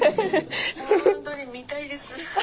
本当に見たいです。